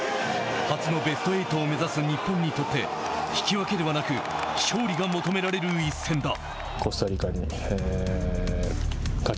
初のベスト８を目指す日本にとって引き分けではなく勝利が求められる一戦だ。